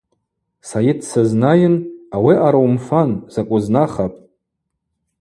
Сайыт дсызнайын: – Ауи аъара уымфан, закӏ уызнахапӏ.